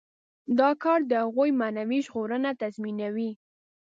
دا کار د هغوی معنوي ژغورنه تضمینوي.